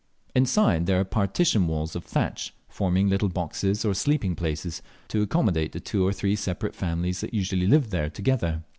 Inside there are partition walls of thatch, forming little boxes or sleeping places, to accommodate the two or three separate families that usually live together.